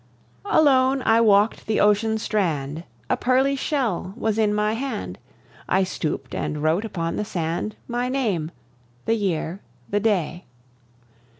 Alone I walked the ocean strand; A pearly shell was in my hand: I stooped and wrote upon the sand My name the year the day.